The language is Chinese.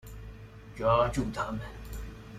抓住他们！